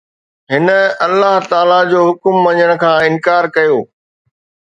هن الله تعاليٰ جو حڪم مڃڻ کان انڪار ڪيو